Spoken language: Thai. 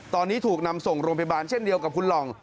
ตอนนี้ถูกนำส่งโรงพยาบาลเช่นเดียวกับคุณหล่อง